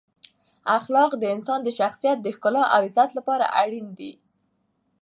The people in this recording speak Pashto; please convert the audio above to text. اخلاق د انسان د شخصیت د ښکلا او عزت لپاره اړین دی.